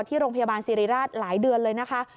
ที่โรงพยาบาลสิริราชหลายเดือนเลยนะคะ